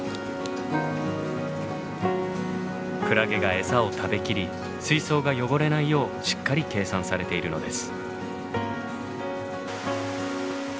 クラゲがエサを食べきり水槽が汚れないようしっかり計算されているのです。